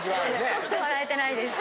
ちょっと笑えてないです。